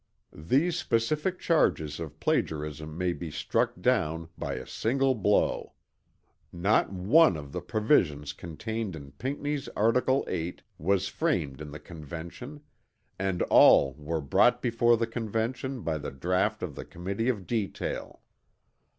These specific charges of plagiarism may be struck down by a single blow: _Not one of the provisions contained in Pinckney's article VIII was framed in the Convention, and all were brought before the Convention by the draught of the Committee of Detail.